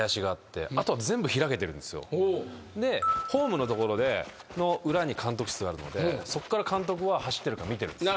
でホームの所の裏に監督室があるのでそっから監督は走ってるか見てるんです。